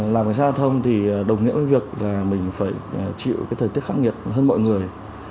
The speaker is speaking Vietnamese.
làm cảnh sát giao thông thì đồng nghĩa với việc là mình phải chịu cái thời tiết khắc nghiệt hơn mọi người